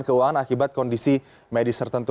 keuangan akibat kondisi medis tertentu